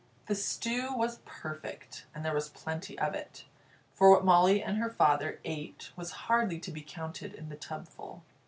The stew was perfect, and there was plenty of it. For what Molly and her father ate was hardly to be counted in the tubful.